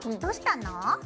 どうしたの？